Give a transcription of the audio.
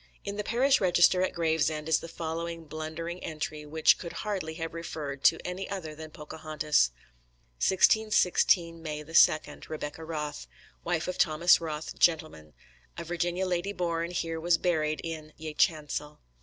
In the parish register at Gravesend is the following blundering entry, which could hardly have referred to any other than Pocahontas: 1616, May 2j, Rebecca Wrothe wyff of Thomas Wroth gent. a Virginian lady borne, here was buried in ye channcell.